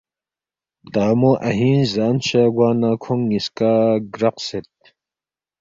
“ تا مو اَہِینگ زان فچوا گوا نہ کھونگ نِ٘یسکا گرَقسید